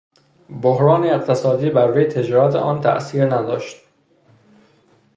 بحران اقتصادی بر روی تجارت آن تاثیر نداشت.